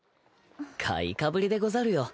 買いかぶりでござるよ。